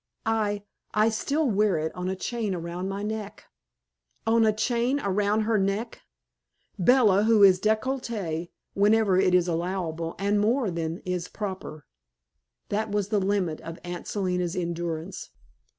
"I I still wear it, on a chain around my neck." On a chain around her neck! Bella, who is decollete whenever it is allowable, and more than is proper! That was the limit of Aunt Selina's endurance.